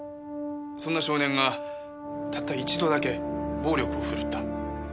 そんな少年がたった一度だけ暴力を振るった。